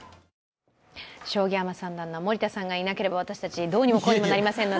将棋三段の森田さんがいなければ私たち、どうにもこうにもなりませんので。